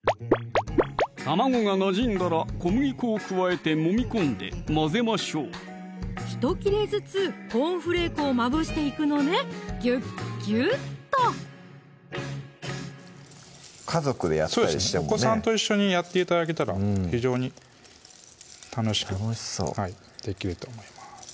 卵がなじんだら小麦粉を加えてもみ込んで混ぜましょうひと切れずつコーンフレークをまぶしていくのねギュッギュッと家族でやったりしてもねお子さんと一緒にやって頂けたら非常に楽しく楽しそうできると思います